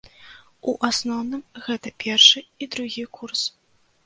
У асноўным гэта першы і другі курс.